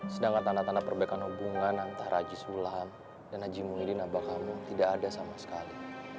sedangkan tanda tanda perbaikan hubungan antara aji sulam dan aji mungilin aba kamu tidak ada sama sekali